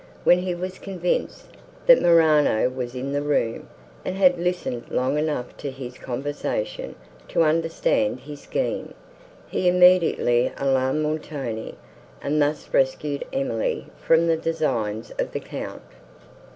When he was convinced, that Morano was in the room, and had listened long enough to his conversation, to understand his scheme, he immediately alarmed Montoni, and thus rescued Emily from the designs of the Count.